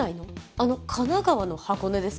あの神奈川の箱根ですか？